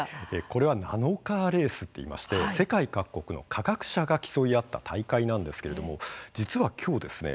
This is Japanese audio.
これは「ナノカーレース」と言いまして世界各国の科学者が競い合った大会なんですけれども実は、きょうですね